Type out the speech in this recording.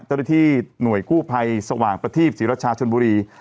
ใต้ด้วยที่หน่วยกู้ภัยสว่างประทีศิรชาชนบุรี